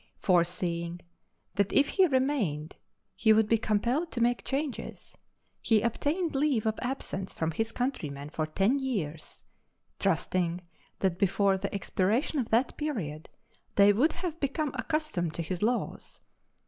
Foreseeing that if he remained he would be compelled to make changes, he obtained leave of absence from his countrymen for ten years, trusting that before the expiration of that period they would have become accustomed to his laws.